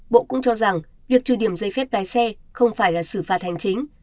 bộ cũng cho rằng việc trừ điểm giấy phép lái xe không phải là xử phạt hành chính